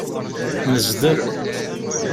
Nezder.